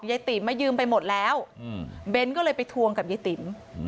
ยายติ๋มมายืมไปหมดแล้วเบ้นก็เลยไปทวงกับยายติ๋ม